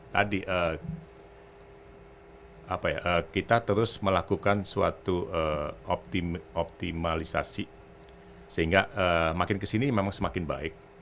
tadi kita terus melakukan suatu optimalisasi sehingga makin kesini memang semakin baik